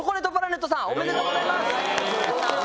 ありがとうございます。